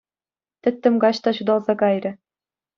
Тӗттӗм каҫ та ҫуталса кайрӗ.